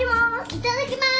いただきます。